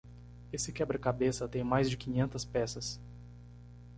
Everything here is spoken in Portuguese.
Esse quebra-cabeça tem mais de quinhentas peças.